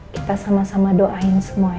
kita sama sama doain semua